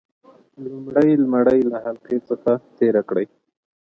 لومړی ګلوله له حلقې څخه تیره کړئ.